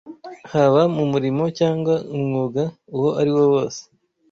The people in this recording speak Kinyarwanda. haba mu murimo cyangwa umwuga uwo ari wo wose